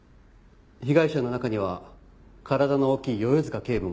被害者の中には体の大きい世々塚警部もいる。